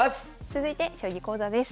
続いて将棋講座です。